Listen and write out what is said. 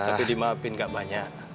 tapi dimaafin gak banyak